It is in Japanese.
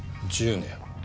１０年。